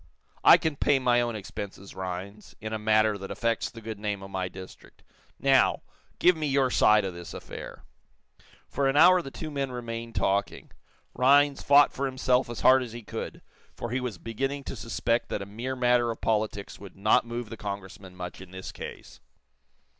"I can pay my own expenses, Rhinds, in a matter that affects the good name of my district. Now, give me your side of this affair." For an hour the two men remained talking. Rhinds fought for himself as hard as he could, for he was beginning to suspect that a mere matter of politics would not move the Congressman much in this case.